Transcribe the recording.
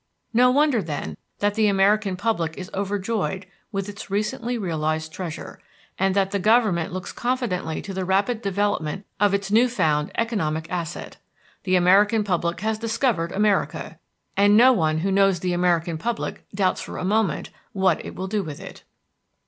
No wonder, then, that the American public is overjoyed with its recently realized treasure, and that the Government looks confidently to the rapid development of its new found economic asset. The American public has discovered America, and no one who knows the American public doubts for a moment what it will do with it.